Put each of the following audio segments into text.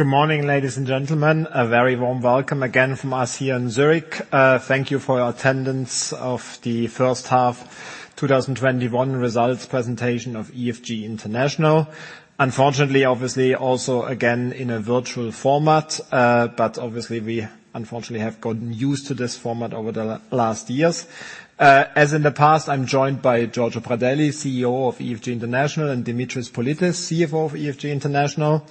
Good morning, ladies and gentlemen. A very warm welcome again from us here in Zurich. Thank you for your attendance of the first half 2021 results presentation of EFG International. Unfortunately, obviously, also again, in a virtual format. Obviously, we, unfortunately, have gotten used to this format over the last years. As in the past, I'm joined by Giorgio Pradelli, CEO of EFG International, and Dimitris Politis, CFO of EFG International.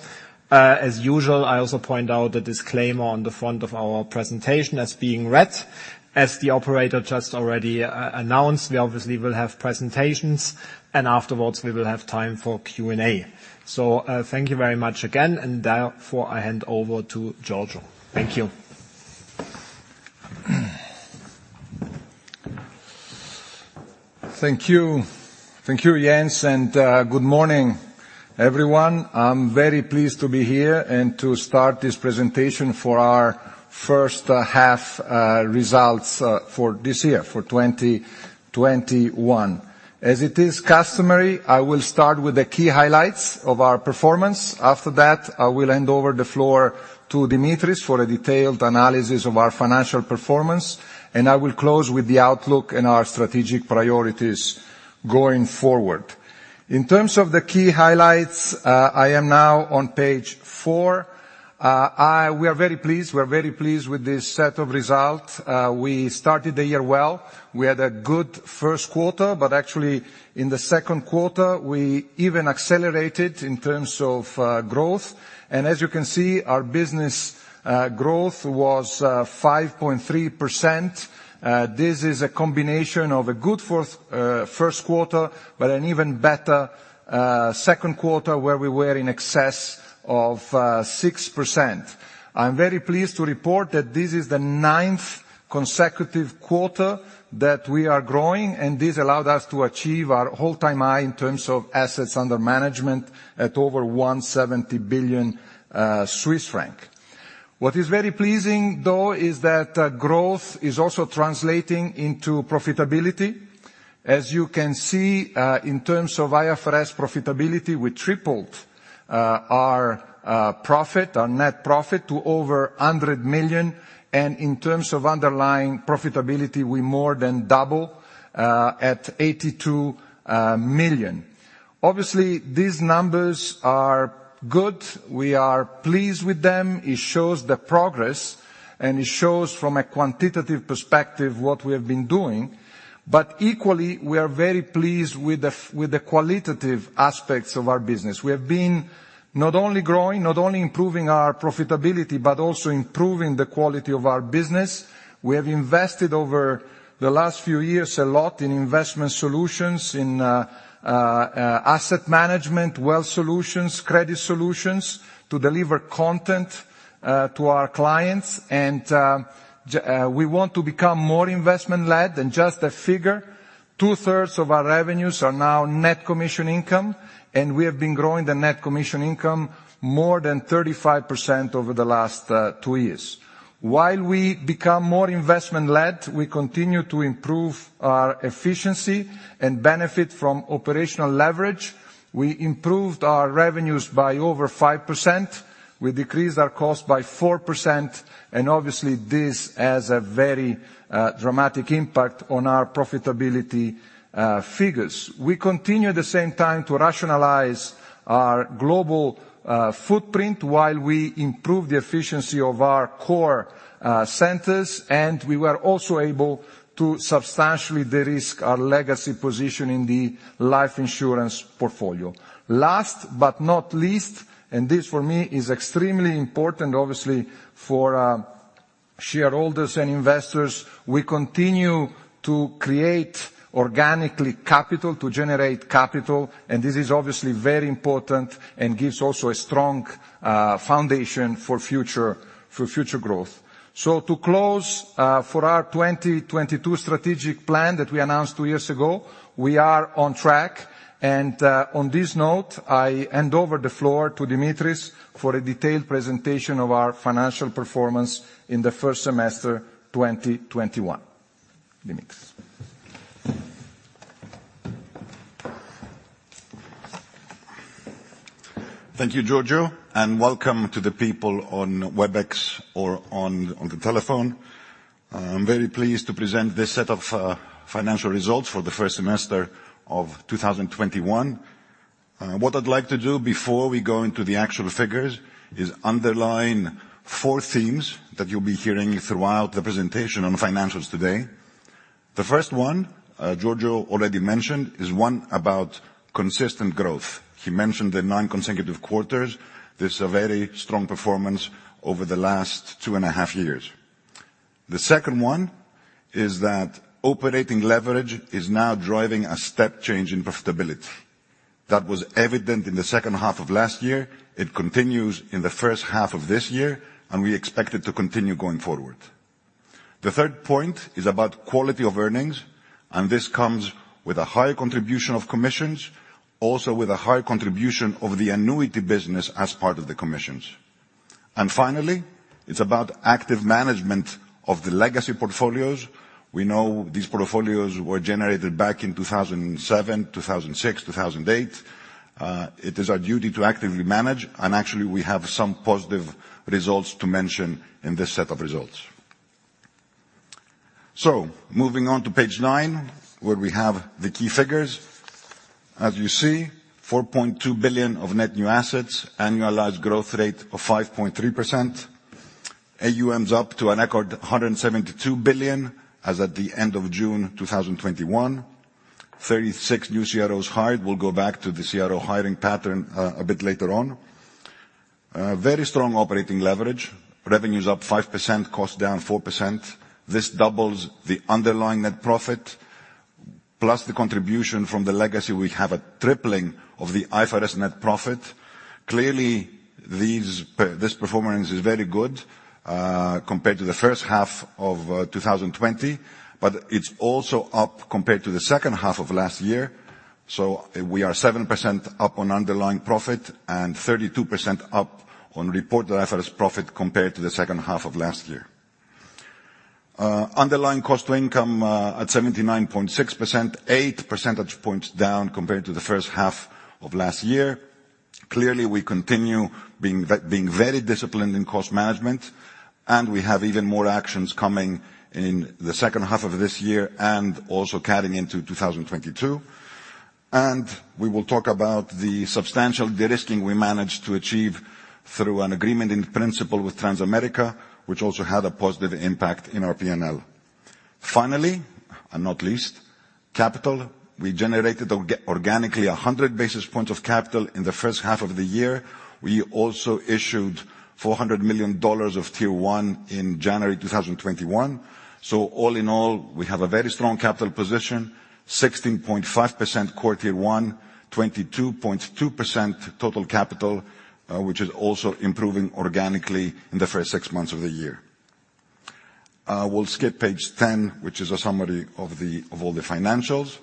As usual, I also point out the disclaimer on the front of our presentation as being read. As the operator just already announced, we obviously will have presentations, and afterwards we will have time for Q&A. Thank you very much again, and therefore I hand over to Giorgio. Thank you. Thank you. Thank you, Jens, Good morning, everyone. I am very pleased to be here and to start this presentation for our first half results for this year, for 2021. As it is customary, I will start with the key highlights of our performance. After that, I will hand over the floor to Dimitris for a detailed analysis of our financial performance, and I will close with the outlook and our strategic priorities going forward. In terms of the key highlights, I am now on page four. We are very pleased with this set of results. We started the year well. We had a good first quarter, but actually, in the second quarter, we even accelerated in terms of growth. As you can see, our business growth was 5.3%. This is a combination of a good first quarter, but an even better second quarter, where we were in excess of 6%. I am very pleased to report that this is the ninth consecutive quarter that we are growing, and this allowed us to achieve our all-time high in terms of Assets under Management at over 170 billion Swiss franc. What is very pleasing, though, is that growth is also translating into profitability. As you can see, in terms of IFRS profitability, we tripled our net profit to over 100 million, and in terms of underlying profitability, we more than double, at 82 million. Obviously, these numbers are good. We are pleased with them. It shows the progress, and it shows from a quantitative perspective what we have been doing. Equally, we are very pleased with the qualitative aspects of our business. We have been not only growing, not only improving our profitability, but also improving the quality of our business. We have invested over the last few years, a lot in investment solutions, in asset management, wealth solutions, credit solutions, to deliver content to our clients. We want to become more investment-led than just a figure. Two-thirds of our revenues are now net commission income. We have been growing the net commission income more than 35% over the last two years. While we become more investment-led, we continue to improve our efficiency and benefit from operational leverage. We improved our revenues by over 5%. We decreased our cost by 4%. Obviously this has a very dramatic impact on our profitability figures. We continue at the same time to rationalize our global footprint while we improve the efficiency of our core centers, and we were also able to substantially de-risk our legacy position in the life insurance portfolio. Last but not least, and this for me is extremely important, obviously, for shareholders and investors, we continue to create organically capital, to generate capital, and this is obviously very important and gives also a strong foundation for future growth. To close, for our 2022 strategic plan that we announced two years ago, we are on track. On this note, I hand over the floor to Dimitris for a detailed presentation of our financial performance in the first semester 2021. Dimitris. Thank you, Giorgio, and welcome to the people on Webex or on the telephone. I am very pleased to present this set of financial results for the first semester of 2021. What I would like to do before we go into the actual figures is underline four themes that you will be hearing throughout the presentation on financials today. The first one Giorgio already mentioned, is one about consistent growth. He mentioned the nine consecutive quarters. This is a very strong performance over the last 2.5 years. The second one is that operating leverage is now driving a step change in profitability. That was evident in the second half of last year. It continues in the first half of this year, and we expect it to continue going forward. The third point is about quality of earnings, and this comes with a higher contribution of commissions, also with a higher contribution of the annuity business as part of the commissions. Finally, it's about active management of the legacy portfolios. We know these portfolios were generated back in 2007, 2006, 2008. It is our duty to actively manage, and actually, we have some positive results to mention in this set of results. Moving on to page nine, where we have the key figures. As you see, 4.2 billion of net new assets, annualized growth rate of 5.3%, AuMs up to a record 172 billion as at the end of June 2021, 36 new CROs hired. We'll go back to the CRO hiring pattern a bit later on. Very strong operating leverage. Revenues up 5%, costs down 4%. This doubles the underlying net profit, plus the contribution from the legacy, we have a tripling of the IFRS net profit. Clearly, this performance is very good, compared to the first half of 2020, but it's also up compared to the second half of last year. We are 7% up on underlying profit and 32% up on reported IFRS profit compared to the second half of last year. Underlying cost to income at 79.6%, 8 percentage points down compared to the first half of last year. Clearly, we continue being very disciplined in cost management, and we have even more actions coming in the second half of this year and also carrying into 2022. We will talk about the substantial de-risking we managed to achieve through an agreement in principle with Transamerica, which also had a positive impact in our P&L. Finally, and not least, capital. We generated organically 100 basis points of capital in the first half of the year. We also issued $400 million of Tier 1 in January 2021. All in all, we have a very strong capital position, 16.5% Core Tier 1, 22.2% total capital, which is also improving organically in the first six months of the year. We'll skip page 10, which is a summary of all the financials.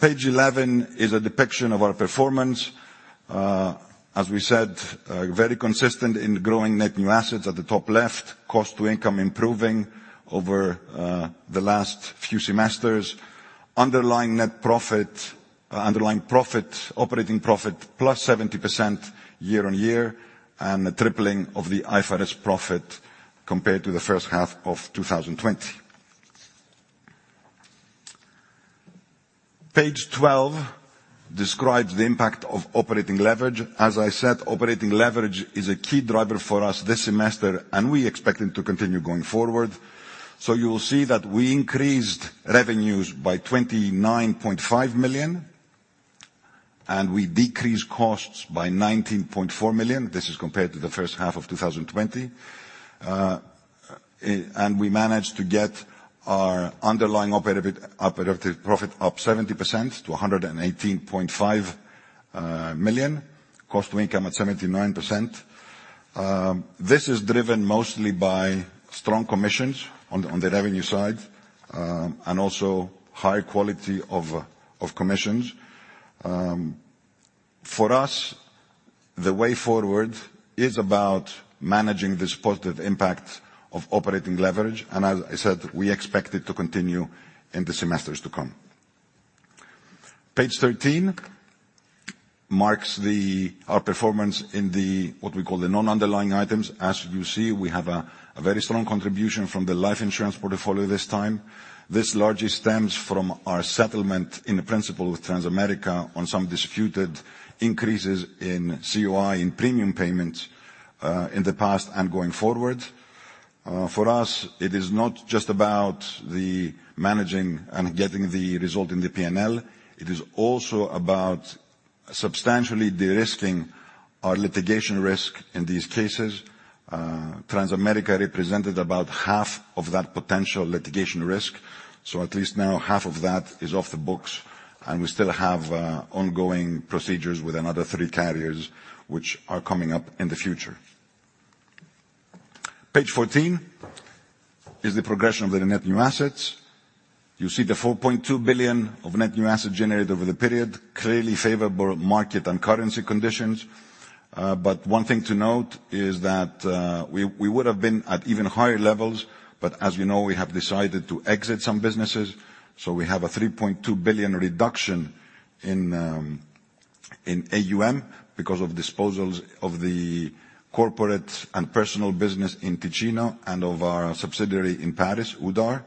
Page 11 is a depiction of our performance. As we said, very consistent in growing net new assets at the top left, cost to income improving over the last few semesters. Underlying net profit, underlying profit, operating profit +70% year-on-year, and a tripling of the IFRS profit compared to the first half of 2020. Page 12 describes the impact of operating leverage. As I said, operating leverage is a key driver for us this semester, and we expect it to continue going forward. You will see that we increased revenues by 29.5 million, and we decreased costs by 19.4 million. This is compared to the first half of 2020. We managed to get our underlying operative profit up 70% to 118.5 million. Cost to income at 79%. This is driven mostly by strong commissions on the revenue side, and also high quality of commissions. For us, the way forward is about managing this positive impact of operating leverage, and as I said, we expect it to continue in the semesters to come. Page 13 marks our performance in what we call the non-underlying items. As you see, we have a very strong contribution from the life insurance portfolio this time. This largely stems from our settlement in principle with Transamerica on some disputed increases in COI in premium payments in the past and going forward. For us, it is not just about the managing and getting the result in the P&L. It is also about substantially de-risking our litigation risk in these cases. Transamerica represented about half of that potential litigation risk, so at least now half of that is off the books, and we still have ongoing procedures with another three carriers, which are coming up in the future. Page 14 is the progression of the net new assets. You see the 4.2 billion of net new assets generated over the period, clearly favorable market and currency conditions. One thing to note is that we would have been at even higher levels, but as you know, we have decided to exit some businesses, so we have a 3.2 billion reduction in AuM because of disposals of the corporate and personal business in Ticino and of our subsidiary in Paris, Oudart.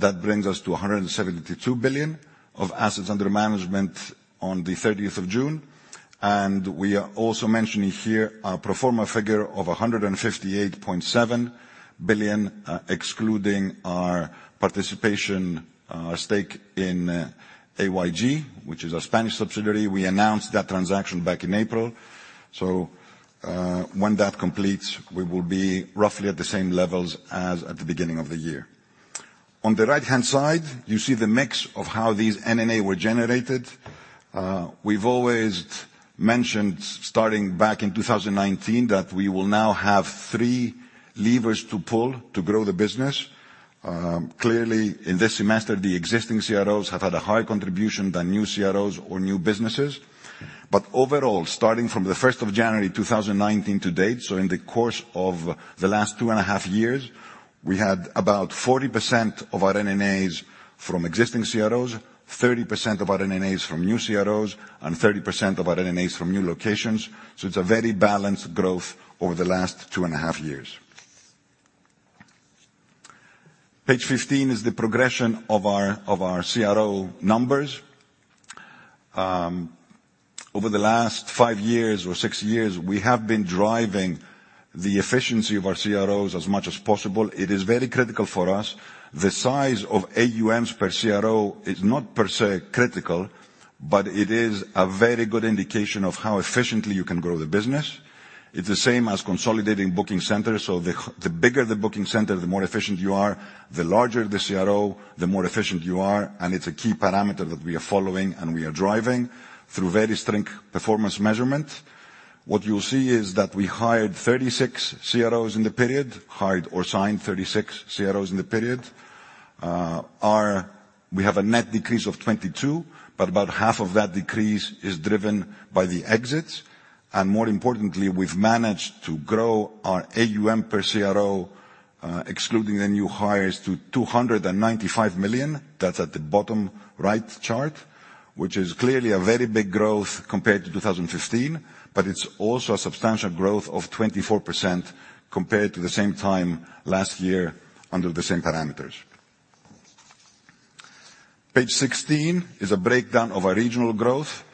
That brings us to 172 billion of assets under management on the 30th of June. We are also mentioning here our pro forma figure of 158.7 billion, excluding our participation stake in AYG, which is our Spanish subsidiary. We announced that transaction back in April. When that completes, we will be roughly at the same levels as at the beginning of the year. On the right-hand side, you see the mix of how these NNA were generated. We've always mentioned, starting back in 2019, that we will now have three levers to pull to grow the business. Clearly, in this semester, the existing CROs have had a higher contribution than new CROs or new businesses. Overall, starting from the 1st of January 2019 to date, so in the course of the last two and a half years, we had about 40% of our NNAs from existing CROs, 30% of our NNAs from new CROs, and 30% of our NNAs from new locations. It's a very balanced growth over the last 2.5 years. Page 15 is the progression of our CRO numbers. Over the last five years or six years, we have been driving the efficiency of our CROs as much as possible. It is very critical for us. The size of AuM per CRO is not per se critical, but it is a very good indication of how efficiently you can grow the business. It's the same as consolidating booking centers. The bigger the booking center, the more efficient you are, the larger the CRO, the more efficient you are, and it's a key parameter that we are following and we are driving through very strict performance measurement. What you'll see is that we hired 36 CROs in the period, hired or signed 36 CROs in the period. We have a net decrease of 22, but about half of that decrease is driven by the exits, and more importantly, we've managed to grow our AuM per CRO, excluding the new hires, to 295 million. That's at the bottom right chart, which is clearly a very big growth compared to 2015, but it's also a substantial growth of 24% compared to the same time last year under the same parameters. Page 16 is a breakdown of our regional growth.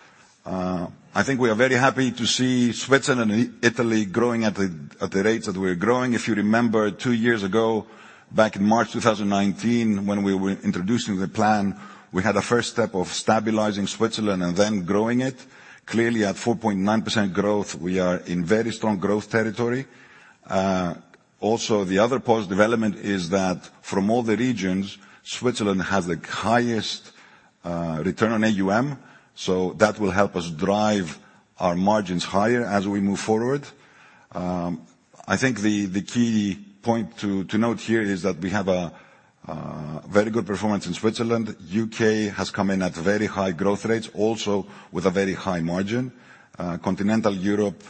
I think we are very happy to see Switzerland and Italy growing at the rates that we're growing. If you remember, two years ago, back in March 2019, when we were introducing the plan, we had a first step of stabilizing Switzerland and then growing it. Clearly, at 4.9% growth, we are in very strong growth territory. Also, the other positive development is that from all the regions, Switzerland has the highest return on AuM, so that will help us drive our margins higher as we move forward. I think the key point to note here is that we have a very good performance in Switzerland. U.K. has come in at very high growth rates, also with a very high margin. Continental Europe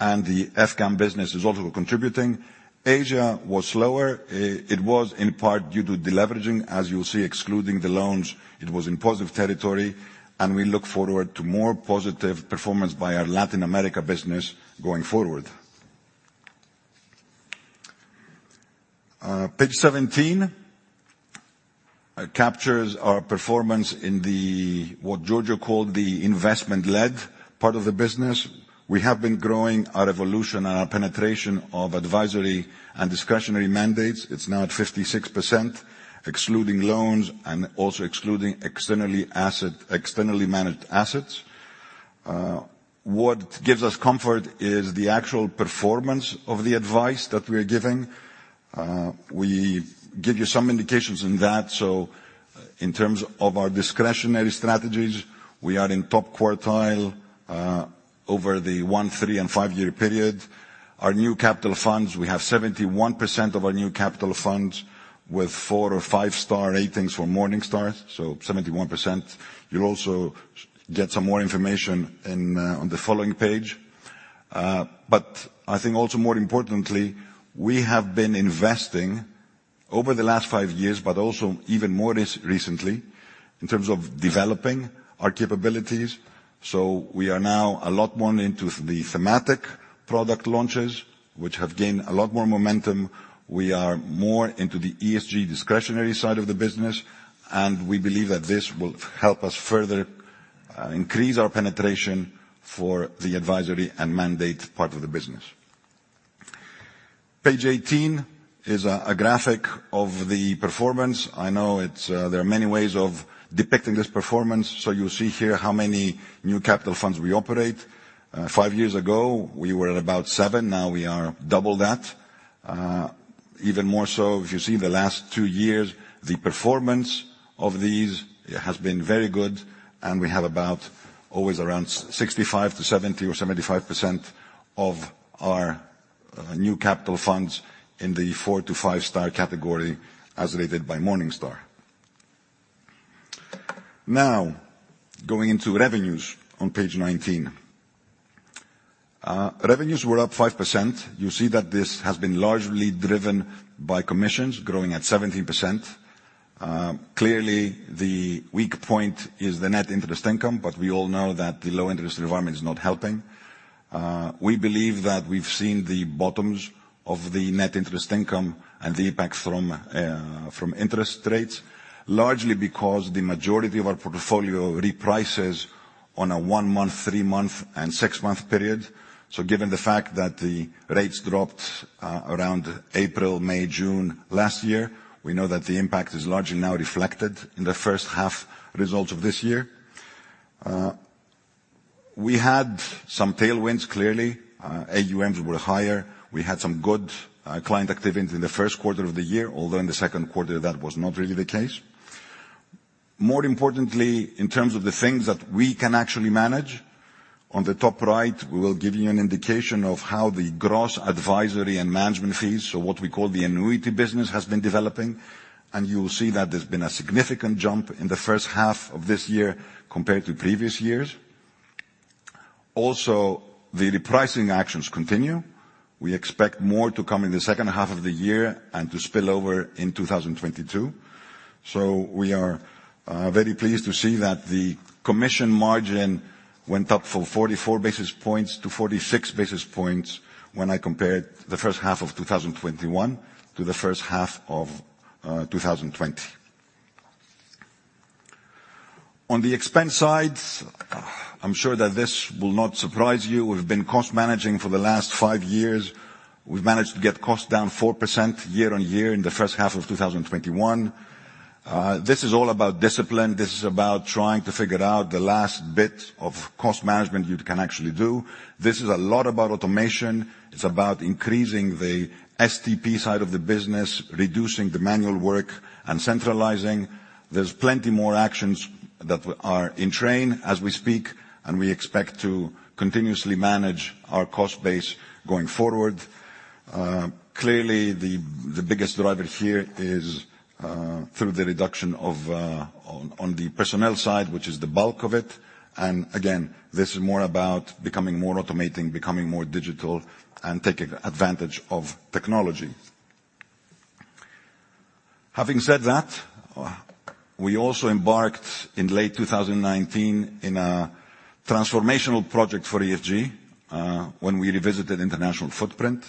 and the FCAM business is also contributing. Asia was slower. It was in part due to deleveraging. As you'll see, excluding the loans, it was in positive territory, and we look forward to more positive performance by our Latin America business going forward. Page 17 captures our performance in the, what Giorgio called the investment-led part of the business. We have been growing our evolution and our penetration of advisory and discretionary mandates. It's now at 56%, excluding loans and also excluding externally managed assets. What gives us comfort is the actual performance of the advice that we're giving. We give you some indications on that. In terms of our discretionary strategies, we are in top quartile, over the one, three, and five-year period. Our New Capital funds, we have 71% of our New Capital funds with four or five-star ratings for Morningstar, so 71%. You'll also get some more information on the following page. I think also more importantly, we have been investing over the last five years, but also even more recently in terms of developing our capabilities. We are now a lot more into the thematic product launches, which have gained a lot more momentum. We are more into the ESG discretionary side of the business, and we believe that this will help us further increase our penetration for the advisory and mandate part of the business. Page 18 is a graphic of the performance. I know there are many ways of depicting this performance, you'll see here how many New Capital funds we operate. Five years ago, we were at about seven. Now we are double that. Even more so, if you see the last two years, the performance of these has been very good, and we have about always around 65%-70% or 75% of our New Capital funds in the four to five star category, as rated by Morningstar. Going into revenues on page 19. Revenues were up 5%. You'll see that this has been largely driven by commissions growing at 17%. The weak point is the net interest income, we all know that the low interest environment is not helping. We believe that we've seen the bottoms of the net interest income and the impact from interest rates, largely because the majority of our portfolio reprices on a one-month, three-month, and six-month period. Given the fact that the rates dropped around April, May, June last year, we know that the impact is largely now reflected in the first half results of this year. We had some tailwinds, clearly. AuMs were higher. We had some good client activity in the first quarter of the year, although in the second quarter, that was not really the case. More importantly, in terms of the things that we can actually manage, on the top right, we will give you an indication of how the gross advisory and management fees, so what we call the annuity business, has been developing. You will see that there's been a significant jump in the first half of this year compared to previous years. Also, the repricing actions continue. We expect more to come in the second half of the year and to spill over into 2022. We are very pleased to see that the commission margin went up from 44 basis points to 46 basis points when I compared the first half of 2021 to the first half of 2020. On the expense side, I'm sure that this will not surprise you. We've been cost managing for the last five years. We've managed to get costs down 4% year-on-year in the first half of 2021. This is all about discipline. This is about trying to figure out the last bit of cost management you can actually do. This is a lot about automation. It's about increasing the STP side of the business, reducing the manual work, and centralizing. There's plenty more actions that are in train as we speak, and we expect to continuously manage our cost base going forward. Clearly, the biggest driver here is through the reduction on the personnel side, which is the bulk of it. Again, this is more about becoming more automating, becoming more digital, and taking advantage of technology. Having said that, we also embarked in late 2019 in a transformational project for EFG, when we revisited international footprint.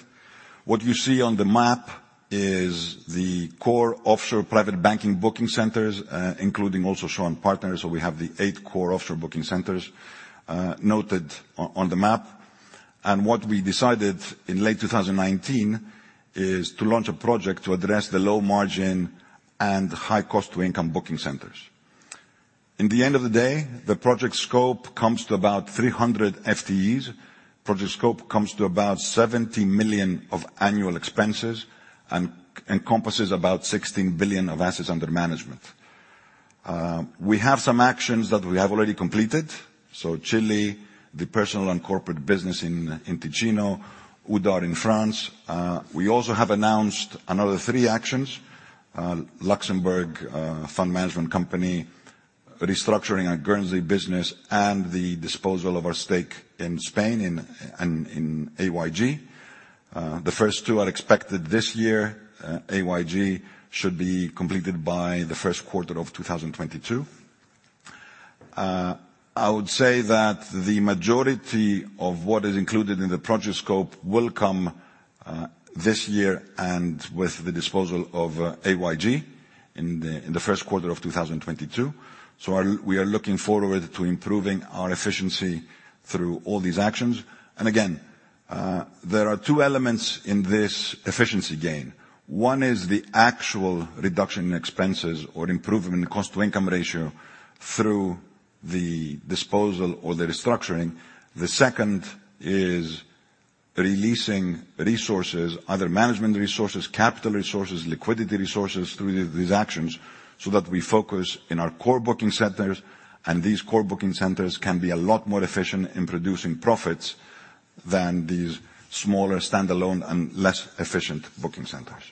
What you see on the map is the core offshore private banking booking centers, including also Shaw and Partners. We have the eight core offshore booking centers noted on the map. What we decided in late 2019 is to launch a project to address the low margin and high cost to income booking centers. In the end of the day, the project scope comes to about 300 FTEs. Project scope comes to about 70 million of annual expenses and encompasses about 16 billion of assets under management. We have some actions that we have already completed. Chile, the personal and corporate business in Ticino, Oudart in France. We also have announced another three actions, Luxembourg fund management company, restructuring our Guernsey business, and the disposal of our stake in Spain and in AYG. The first two are expected this year. AYG should be completed by the first quarter of 2022. I would say that the majority of what is included in the project scope will come this year and with the disposal of AYG in the first quarter of 2022. We are looking forward to improving our efficiency through all these actions. Again, there are two elements in this efficiency gain. One is the actual reduction in expenses or improvement in cost-to-income ratio through the disposal or the restructuring. The second is releasing resources, other management resources, capital resources, liquidity resources, through these actions, so that we focus in our core booking centers, and these core booking centers can be a lot more efficient in producing profits than these smaller standalone and less efficient booking centers.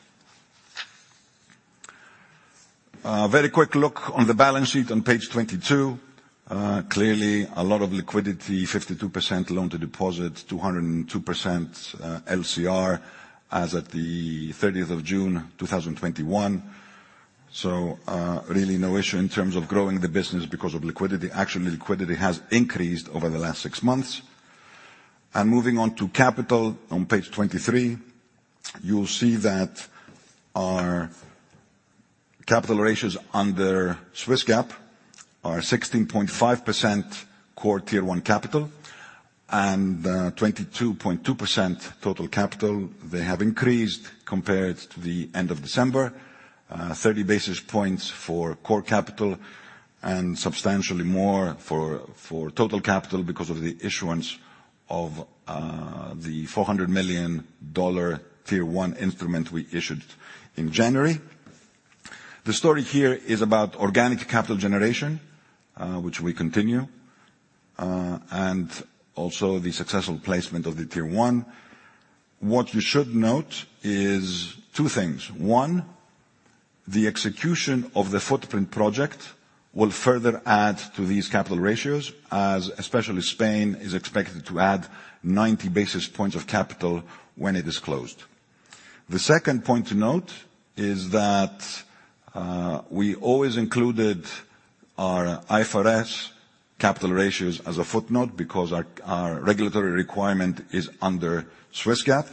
A very quick look on the balance sheet on page 22. Clearly, a lot of liquidity, 52% loan to deposit, 202% LCR as of the 30th of June 2021. Really no issue in terms of growing the business because of liquidity. Actually, liquidity has increased over the last six months. Moving on to capital on page 23. You will see that our capital ratios under Swiss GAAP are 16.5% core Tier 1 capital and 22.2% total capital. They have increased compared to the end of December, 30 basis points for core capital and substantially more for total capital because of the issuance of the $400 million Tier 1 instrument we issued in January. The story here is about organic capital generation, which we continue, and also the successful placement of the Tier 1. What you should note is two things. One, the execution of the footprint project will further add to these capital ratios, as especially Spain is expected to add 90 basis points of capital when it is closed. The second point to note is that we always included our IFRS capital ratios as a footnote because our regulatory requirement is under Swiss GAAP.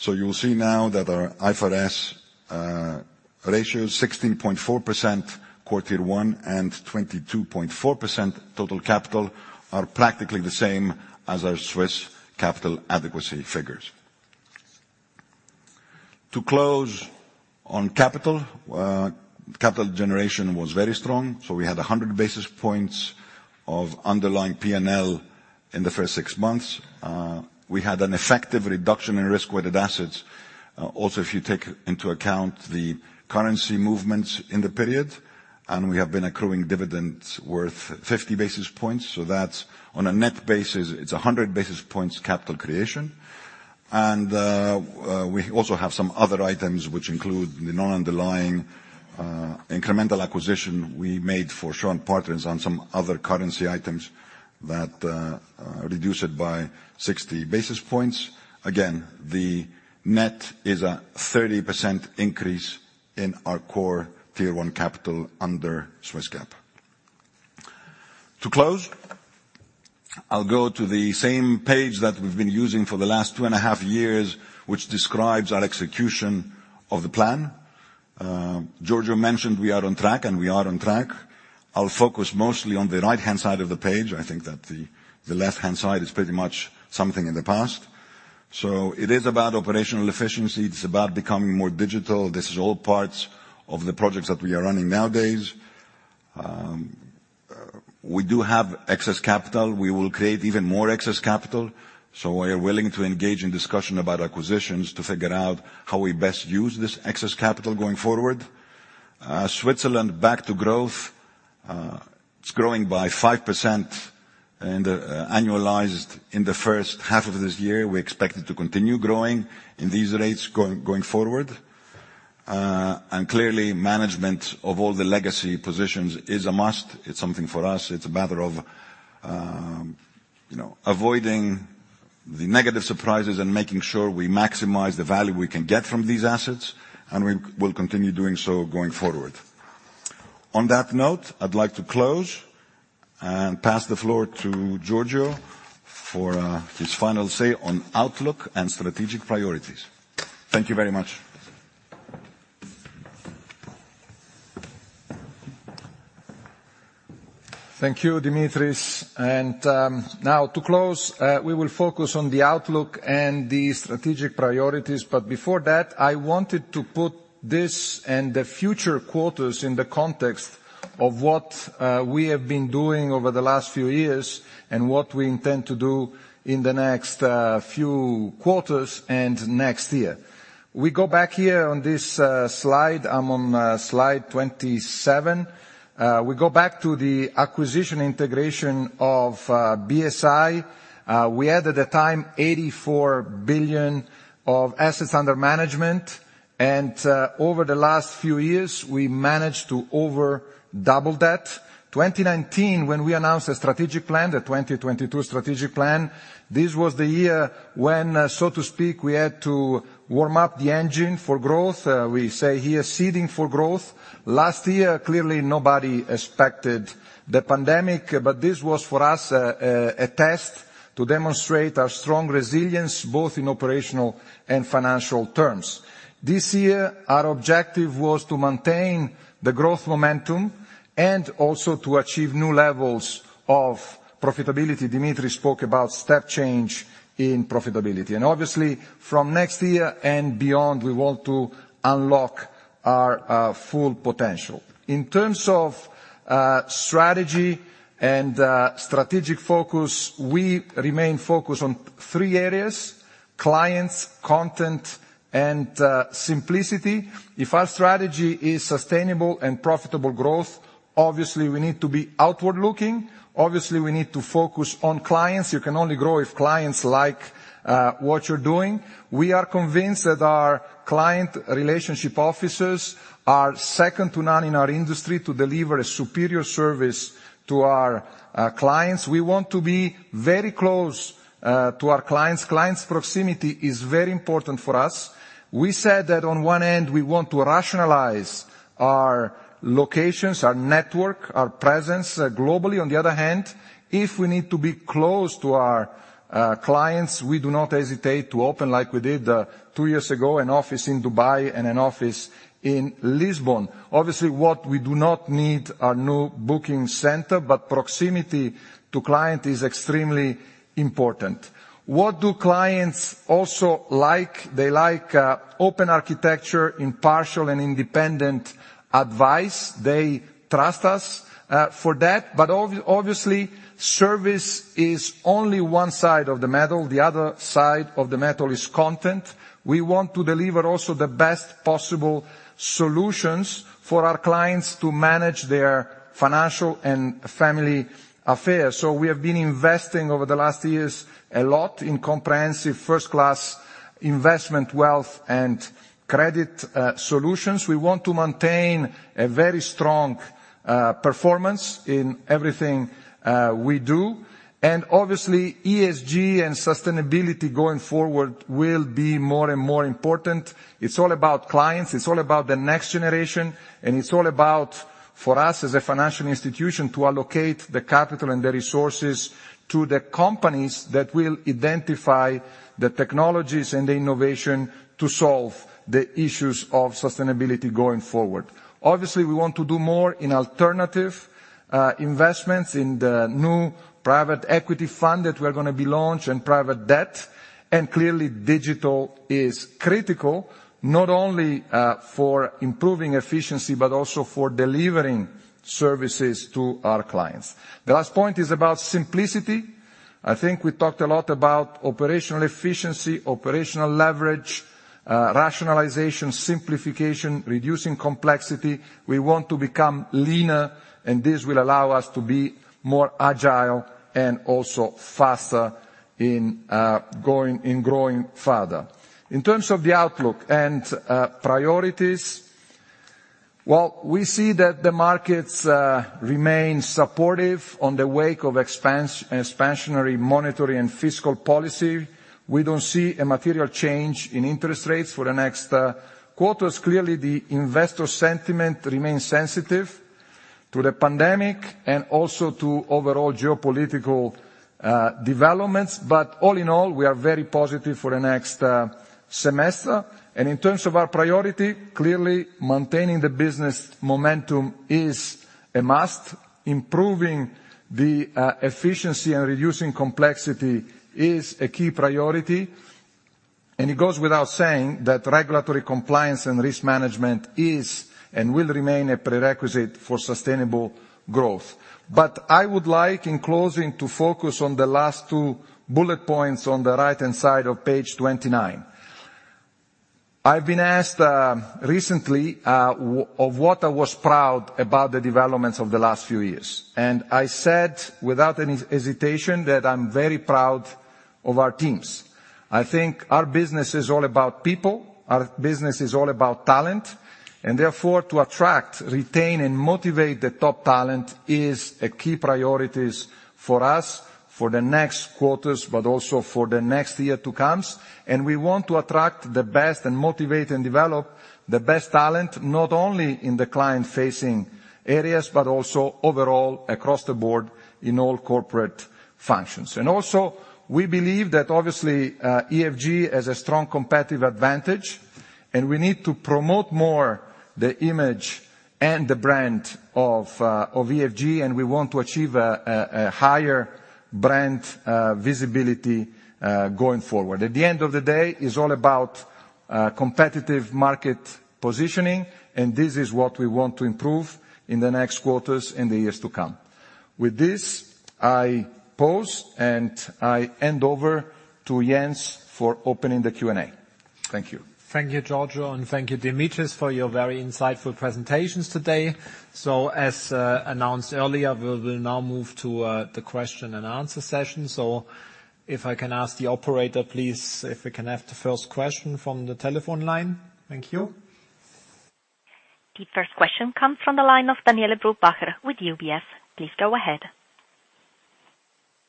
You will see now that our IFRS ratios, 16.4% core Tier 1 and 22.4% total capital, are practically the same as our Swiss capital adequacy figures. To close on capital generation was very strong. We had 100 basis points of underlying P&L. In the first six months, we had an effective reduction in risk-weighted assets. Also, if you take into account the currency movements in the period, and we have been accruing dividends worth 50 basis points. That on a net basis, it's 100 basis points capital creation. We also have some other items, which include the non-underlying incremental acquisition we made for Shaw and Partners on some other currency items that reduce it by 60 basis points. The net is a 30% increase in our core Tier 1 capital under Swiss GAAP. To close, I'll go to the same page that we've been using for the last two and a half years, which describes our execution of the plan. Giorgio mentioned we are on track, and we are on track. I'll focus mostly on the right-hand side of the page. I think that the left-hand side is pretty much something in the past. It is about operational efficiency. It's about becoming more digital. This is all parts of the projects that we are running nowadays. We do have excess capital. We will create even more excess capital. We are willing to engage in discussion about acquisitions to figure out how we best use this excess capital going forward. Switzerland back to growth. It's growing by 5% annualized in the first half of this year. We expect it to continue growing in these rates going forward. Clearly, management of all the legacy positions is a must. It's something for us, it's a matter of avoiding the negative surprises and making sure we maximize the value we can get from these assets, and we'll continue doing so going forward. On that note, I'd like to close and pass the floor to Giorgio for his final say on outlook and strategic priorities. Thank you very much. Thank you, Dimitris. Now to close, we will focus on the outlook and the strategic priorities. Before that, I wanted to put this and the future quarters in the context of what we have been doing over the last few years and what we intend to do in the next few quarters and next year. We go back here on this slide. I'm on slide 27. We go back to the acquisition integration of BSI. We had at the time 84 billion of Assets under Management, and over the last few years, we managed to over double that. 2019, when we announced a strategic plan, the 2022 strategic plan, this was the year when, so to speak, we had to warm up the engine for growth. We say here seeding for growth. Last year, clearly, nobody expected the pandemic, but this was for us a test to demonstrate our strong resilience, both in operational and financial terms. This year, our objective was to maintain the growth momentum and also to achieve new levels of profitability. Dimitris spoke about step change in profitability. Obviously, from next year and beyond, we want to unlock our full potential. In terms of strategy and strategic focus, we remain focused on three areas, clients, content, and simplicity. If our strategy is sustainable and profitable growth, obviously, we need to be outward looking. Obviously, we need to focus on clients. You can only grow if clients like what you're doing. We are convinced that our client relationship officers are second to none in our industry to deliver a superior service to our clients. We want to be very close to our clients. Clients' proximity is very important for us. We said that on one end, we want to rationalize our locations, our network, our presence globally. On the other hand, if we need to be close to our clients, we do not hesitate to open, like we did two years ago, an office in Dubai and an office in Lisbon. Obviously, what we do not need are new booking center, but proximity to client is extremely important. What do clients also like? They like open architecture, impartial, and independent advice. They trust us for that. Obviously, service is only one side of the medal. The other side of the medal is content. We want to deliver also the best possible solutions for our clients to manage their financial and family affairs. We have been investing over the last years a lot in comprehensive first-class investment, wealth, and credit solutions. We want to maintain a very strong performance in everything we do. Obviously, ESG and sustainability going forward will be more and more important. It's all about clients, it's all about the next generation, and it's all about, for us as a financial institution, to allocate the capital and the resources to the companies that will identify the technologies and the innovation to solve the issues of sustainability going forward. Obviously, we want to do more in alternative investments in the new private equity fund that we're going to be launching, and private debt. Clearly, digital is critical, not only for improving efficiency, but also for delivering services to our clients. The last point is about simplicity. I think we talked a lot about operational efficiency, operational leverage, rationalization, simplification, reducing complexity. We want to become leaner. This will allow us to be more agile and also faster in growing further. In terms of the outlook and priorities, we see that the markets remain supportive on the wake of expansionary, monetary, and fiscal policy. We don't see a material change in interest rates for the next quarters. Clearly, the investor sentiment remains sensitive to the pandemic and also to overall geopolitical developments. All in all, we are very positive for the next semester. In terms of our priority, clearly maintaining the business momentum is a must. Improving the efficiency and reducing complexity is a key priority. It goes without saying that regulatory compliance and risk management is and will remain a prerequisite for sustainable growth. I would like, in closing, to focus on the last two bullet points on the right-hand side of page 29. I've been asked recently of what I was proud about the developments of the last few years, and I said without any hesitation that I'm very proud of our teams. I think our business is all about people, our business is all about talent, and therefore to attract, retain, and motivate the top talent is a key priority for us for the next quarters, but also for the next year to come. We want to attract the best and motivate and develop the best talent, not only in the client-facing areas but also overall across the board in all corporate functions. Also, we believe that obviously, EFG has a strong competitive advantage, and we need to promote more the image and the brand of EFG, and we want to achieve a higher brand visibility going forward. At the end of the day, it's all about competitive market positioning, and this is what we want to improve in the next quarters and the years to come. With this, I pause, and I hand over to Jens for opening the Q&A. Thank you. Thank you, Giorgio, and thank you, Dimitris, for your very insightful presentations today. As announced earlier, we will now move to the question-and-answer session. If I can ask the operator, please, if we can have the first question from the telephone line. Thank you. The first question comes from the line of Daniele Brupbacher with UBS. Please go ahead.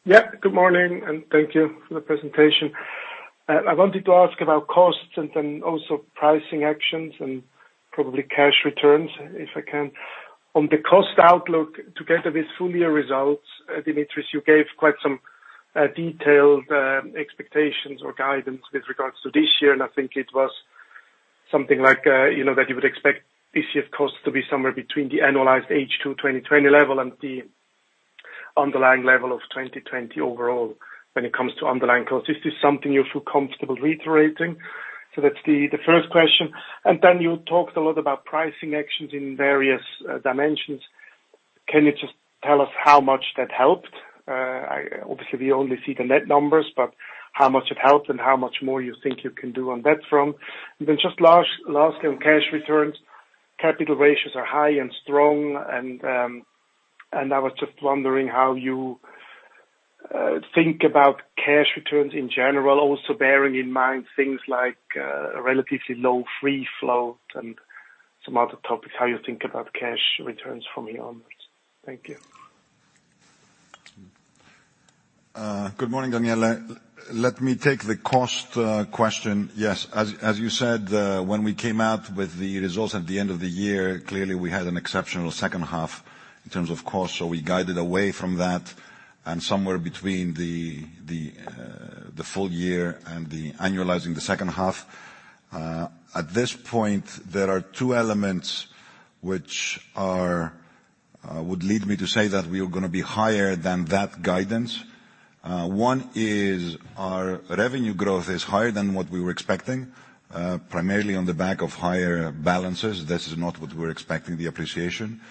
Yeah. Good morning, and thank you for the presentation. I wanted to ask about costs and then also pricing actions and probably cash returns, if I can. On the cost outlook, together with full year results, Dimitris, you gave quite some detailed expectations or guidance with regards to this year, and I think it was something like that you would expect this year's costs to be somewhere between the annualized H2 2020 level and the underlying level of 2020 overall when it comes to underlying costs. Is this something you feel comfortable reiterating? That's the first question. Then you talked a lot about pricing actions in various dimensions. Can you just tell us how much that helped? Obviously, we only see the net numbers, but how much it helped and how much more you think you can do on that front. Just last on cash returns, capital ratios are high and strong, and I was just wondering how you think about cash returns in general, also bearing in mind things like a relatively low free float and some other topics, how you think about cash returns from here onwards. Thank you. Good morning, Daniele. Let me take the cost question. Yes. As you said, when we came out with the results at the end of the year, clearly we had an exceptional second half in terms of cost. We guided away from that and somewhere between the full year and the annualizing the second half. At this point, there are two elements which would lead me to say that we are going to be higher than that guidance. One is our revenue growth is higher than what we were expecting, primarily on the back of higher balances. This is not what we're expecting, the appreciation.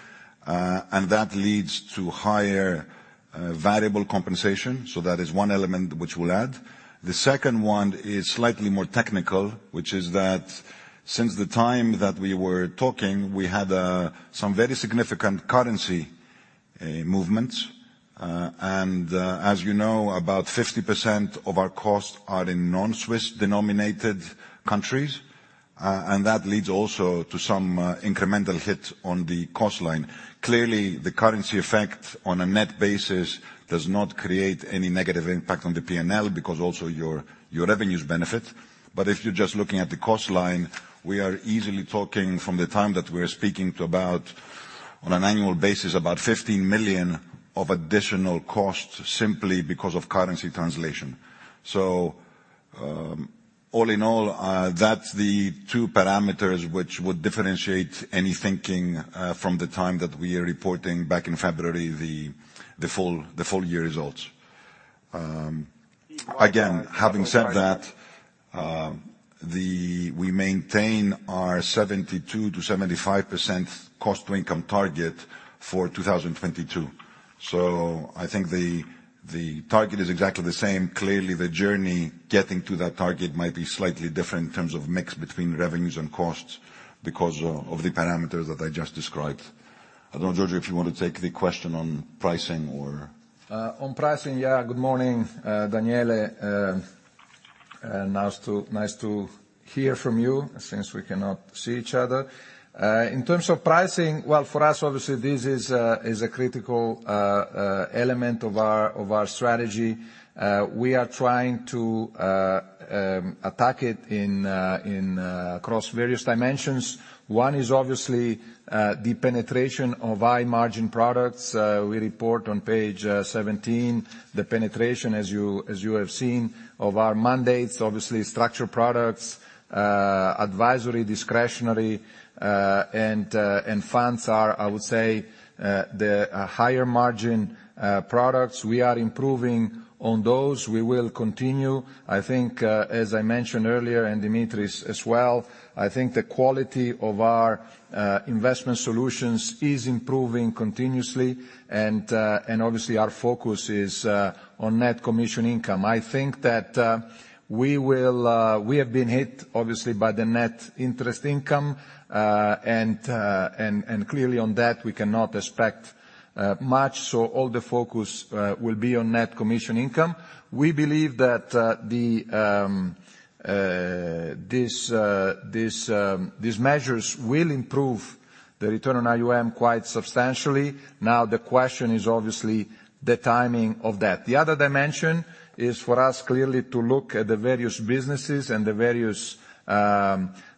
That leads to higher variable compensation. That is one element which we'll add. The second one is slightly more technical, which is that since the time that we were talking, we had some very significant currency movements. As you know, about 50% of our costs are in non-Swiss-denominated countries, and that leads also to some incremental hit on the cost line. Clearly, the currency effect on a net basis does not create any negative impact on the P&L because also your revenues benefit. If you're just looking at the cost line, we are easily talking from the time that we're speaking to about, on an annual basis, about 15 million of additional costs simply because of currency translation. All in all, that's the two parameters which would differentiate any thinking from the time that we are reporting back in February, the full year results. Again, having said that, we maintain our 72%-75% cost-to-income target for 2022. I think the target is exactly the same. Clearly, the journey getting to that target might be slightly different in terms of mix between revenues and costs because of the parameters that I just described. I don't know, Giorgio, if you want to take the question on pricing or- On pricing. Good morning, Daniele. Nice to hear from you since we cannot see each other. In terms of pricing, well, for us, obviously, this is a critical element of our strategy. We are trying to attack it across various dimensions. One is obviously the penetration of high-margin products. We report on page 17 the penetration, as you have seen, of our mandates, obviously structured products, advisory, discretionary, and funds are, I would say, the higher margin products. We are improving on those. We will continue. I think as I mentioned earlier, and Dimitris as well, I think the quality of our investment solutions is improving continuously, and obviously, our focus is on net commission income. I think that we have been hit, obviously, by the net interest income, and clearly on that, we cannot expect much, so all the focus will be on net commission income. We believe that these measures will improve the return on AuM quite substantially. The question is obviously the timing of that. The other dimension is for us clearly to look at the various businesses and the various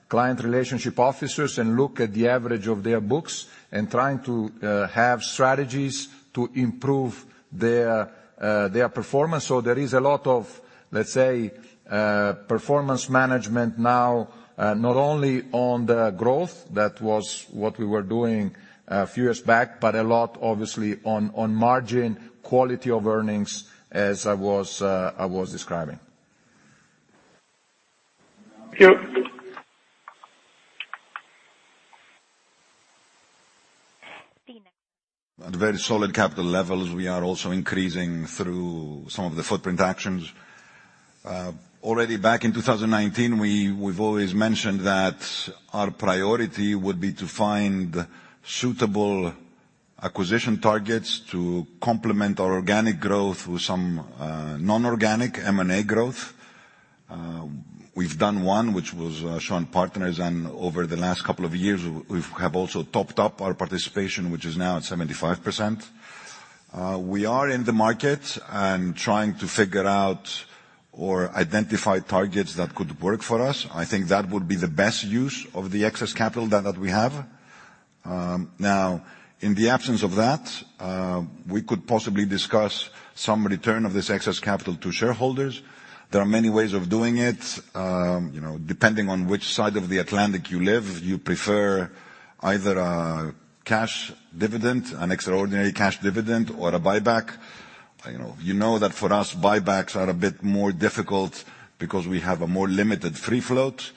client relationship officers and look at the average of their books and trying to have strategies to improve their performance. There is a lot of, let's say, performance management now, not only on the growth, that was what we were doing a few years back, but a lot, obviously, on margin, quality of earnings, as I was describing. Thank you. The next- At very solid capital levels, we are also increasing through some of the footprint actions. Already back in 2019, we've always mentioned that our priority would be to find suitable acquisition targets to complement our organic growth with some non-organic M&A growth. We've done one, which was Shaw and Partners, and over the last couple of years, we have also topped up our participation, which is now at 75%. We are in the market and trying to figure out or identify targets that could work for us. I think that would be the best use of the excess capital that we have. In the absence of that, we could possibly discuss some return of this excess capital to shareholders. There are many ways of doing it. Depending on which side of the Atlantic you live, you prefer either a cash dividend, an extraordinary cash dividend, or a buyback. You know that for us, buybacks are a bit more difficult because we have a more limited free float.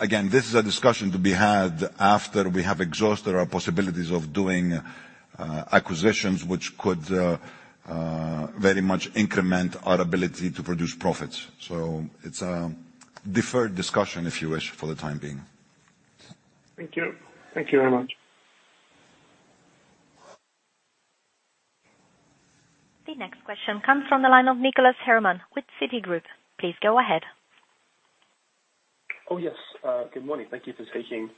Again, this is a discussion to be had after we have exhausted our possibilities of doing acquisitions, which could very much increment our ability to produce profits. It's a deferred discussion, if you wish, for the time being. Thank you. Thank you very much. The next question comes from the line of Nicholas Herman with Citigroup. Please go ahead. Oh, yes. Good morning. Thank you for taking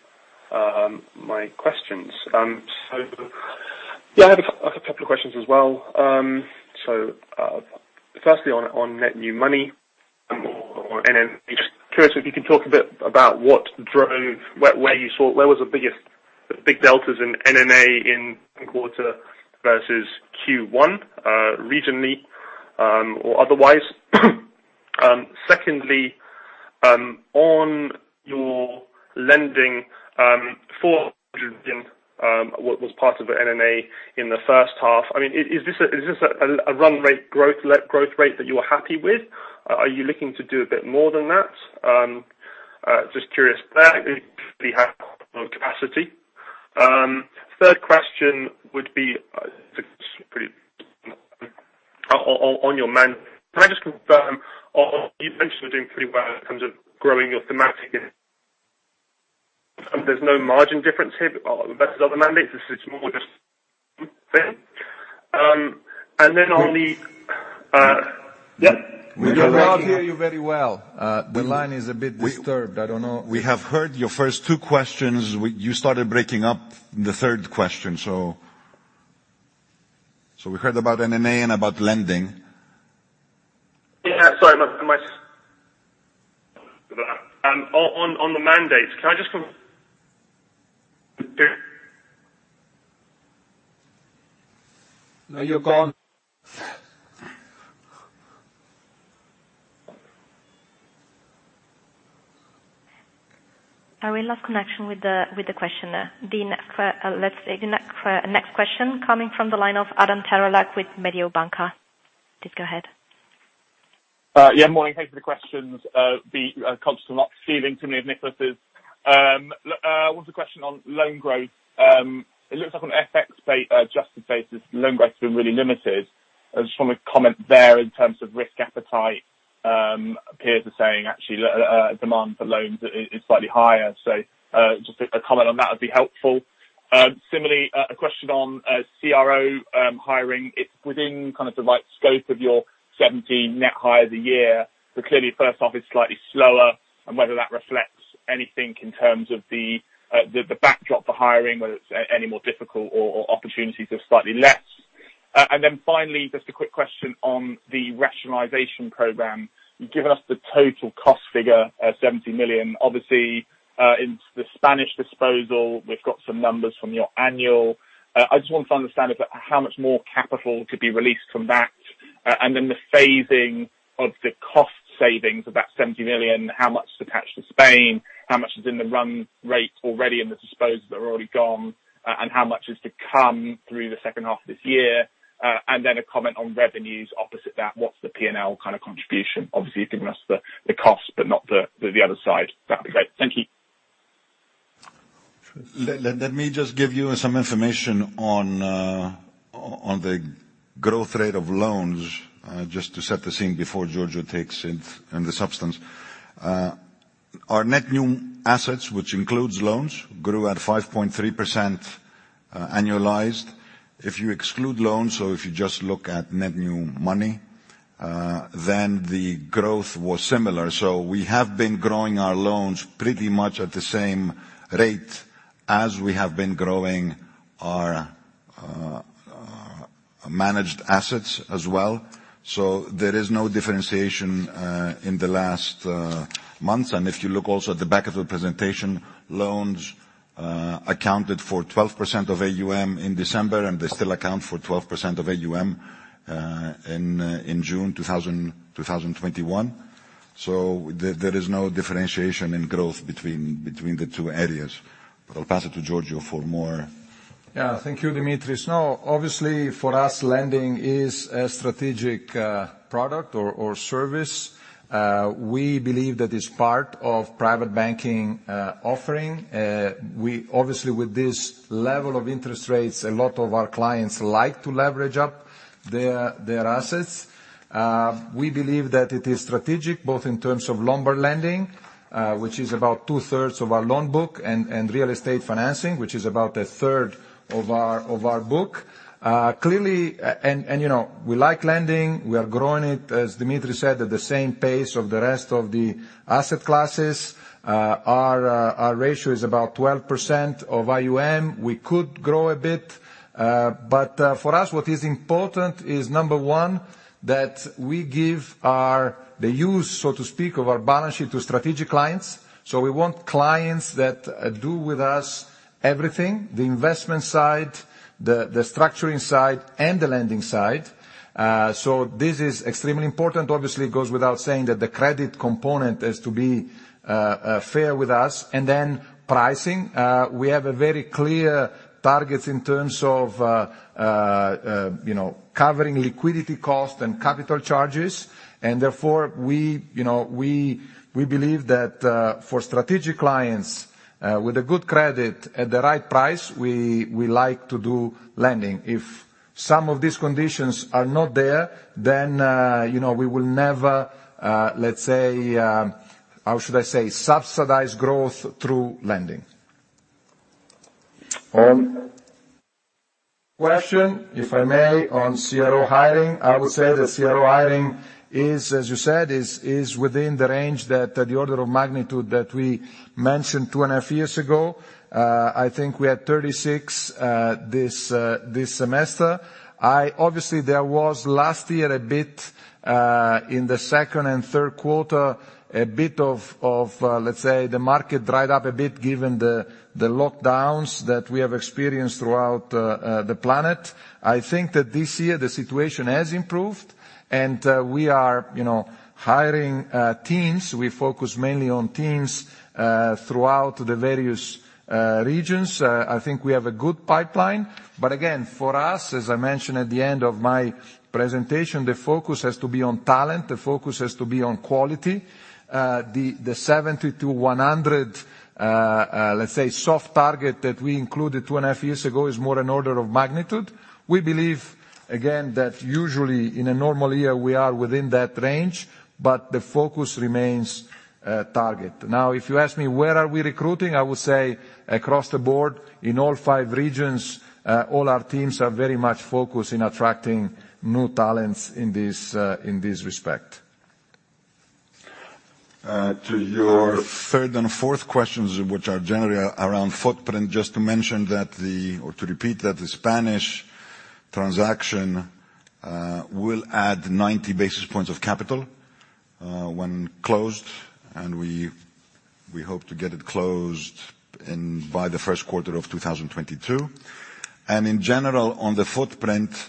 my questions. Yeah, I have a couple of questions as well. Firstly on net new money or NNA, just curious if you can talk a bit about what drove where was the biggest deltas in NNA in the quarter versus Q1, regionally or otherwise? Secondly, on your lending for what was part of the NNA in the first half, is this a run growth rate that you are happy with? Are you looking to do a bit more than that? Just curious there if we have capacity. Third question would be on your mandate, can I just confirm, you mentioned you're doing pretty well in terms of growing your thematic, there's no margin difference here versus other mandates, this is more just fair? We cannot hear you very well. The line is a bit disturbed. I don't know. We have heard your first two questions. You started breaking up the third question. We heard about NNA and about lending. Yeah, sorry about my. On the mandates, can I just confirm? No, you're gone. We lost connection with the questioner. The next question coming from the line of Adam Terelak with Mediobanca. Please go ahead. Yeah, morning. Thanks for the questions. Be conscious of not stealing too many of Nicholas'. One other question on loan growth. It looks like on FX-adjusted basis, loan growth has been really limited. I just want a comment there in terms of risk appetite, peers are saying actually that demand for loans is slightly higher. Just a comment on that would be helpful. Similarly, a question on CRO hiring. It's within kind of the right scope of your 70 net hires a year. Clearly, first off, it's slightly slower and whether that reflects anything in terms of the backdrop for hiring, whether it's any more difficult or opportunities are slightly less. Finally, just a quick question on the rationalization program. You've given us the total cost figure of 70 million. Obviously, in the Spanish disposal, we've got some numbers from your annual. I just want to understand how much more capital could be released from that, and then the phasing of the cost savings of that 70 million, how much is attached to Spain, how much is in the run rate already in the disposals that are already gone, and how much is to come through the second half of this year? A comment on revenues opposite that. What's the P&L kind of contribution? Obviously, you've given us the cost, but not the other side. That would be great. Thank you. Let me just give you some information on the growth rate of loans, just to set the scene before Giorgio takes it in the substance. Our net new assets, which includes loans, grew at 5.3% annualized. If you exclude loans or if you just look at net new money, the growth was similar. We have been growing our loans pretty much at the same rate as we have been growing our managed assets as well. There is no differentiation in the last months. If you look also at the back of the presentation, loans accounted for 12% of AuM in December, and they still account for 12% of AuM in June 2021. There is no differentiation in growth between the two areas. I'll pass it to Giorgio for more. Thank you, Dimitris. Obviously, for us, lending is a strategic product or service. We believe that it's part of private banking offering. Obviously, with this level of interest rates, a lot of our clients like to leverage up their assets. We believe that it is strategic, both in terms of Lombard lending, which is about 2/3 of our loan book, and real estate financing, which is about 1/3 of our book. Clearly, we like lending, we are growing it, as Dimitris said, at the same pace of the rest of the asset classes. Our ratio is about 12% of AuM. We could grow a bit. For us, what is important is, number one, that we give the use, so to speak, of our balance sheet to strategic clients. We want clients that do with us everything, the investment side, the structuring side, and the lending side. This is extremely important. Obviously, it goes without saying that the credit component has to be fair with us. Then pricing. We have a very clear target in terms of covering liquidity cost and capital charges, and therefore, we believe that for strategic clients with a good credit at the right price, we like to do lending. If some of these conditions are not there, then we will never, how should I say, subsidize growth through lending. Question, if I may, on CRO hiring, I would say the CRO hiring is, as you said, is within the range that the order of magnitude that we mentioned 2.5 years ago. I think we had 36 this semester. Obviously, there was last year, in the second and third quarter, a bit of, let's say, the market dried up a bit given the lockdowns that we have experienced throughout the planet. I think that this year the situation has improved and we are hiring teams. We focus mainly on teams throughout the various regions. I think we have a good pipeline, but again, for us, as I mentioned at the end of my presentation, the focus has to be on talent, the focus has to be on quality. The 70-100, let's say, soft target that we included 2.5 years ago is more an order of magnitude. We believe, again, that usually in a normal year, we are within that range, but the focus remains target. Now, if you ask me, where are we recruiting? I would say across the board in all five regions, all our teams are very much focused in attracting new talents in this respect. To your third and fourth questions, which are generally around footprint, just to mention that the Spanish transaction will add 90 basis points of capital when closed, and we hope to get it closed by the first quarter of 2022. In general, on the footprint,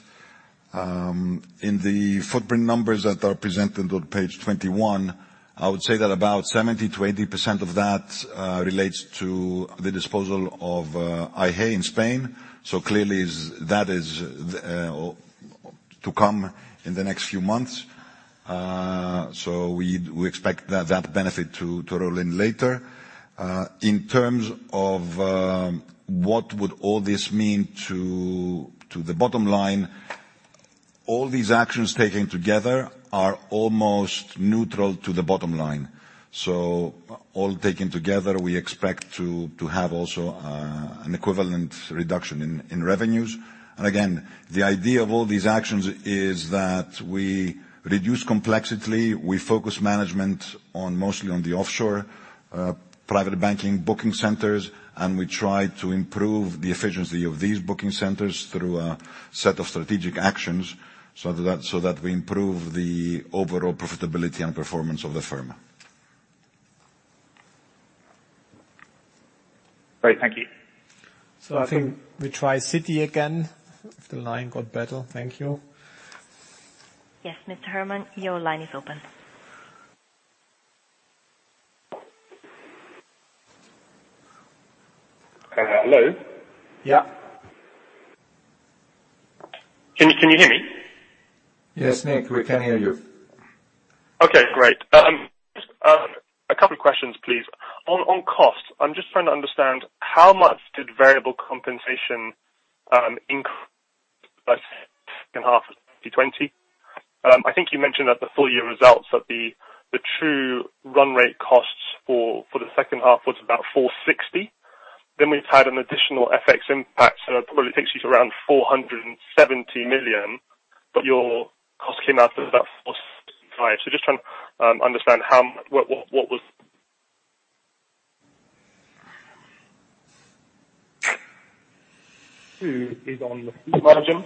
in the footprint numbers that are presented on page 21. I would say that about 70%-80% of that relates to the disposal of A&G in Spain. Clearly, that is to come in the next few months. We expect that benefit to roll in later. In terms of what would all this mean to the bottom line, all these actions taken together are almost neutral to the bottom line. All taken together, we expect to have also an equivalent reduction in revenues. Again, the idea of all these actions is that we reduce complexity, we focus management mostly on the offshore private banking booking centers, and we try to improve the efficiency of these booking centers through a set of strategic actions so that we improve the overall profitability and performance of the firm. Great. Thank you. I think we try Citi again, if the line got better. Thank you. Yes, Mr. Herman, your line is open. Hello? Yeah. Can you hear me? Yes, Nick, we can hear you. Okay, great. A couple of questions, please. On costs, I am just trying to understand how much did variable compensation increase by second half of 2020? I think you mentioned at the full year results that the true run rate costs for the second half was about 460 million. We've had an additional FX impact, that probably takes you to around 470 million, your cost came out at about 465 million. Two is on the fee margin.